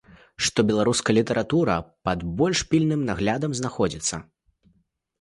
Што беларуская літаратура пад больш пільным наглядам знаходзіцца.